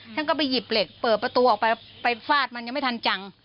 ท่านก็ไปหยิบเหล็กเปิดประตูออกไปไปฟาดมันยังไม่ทันจัง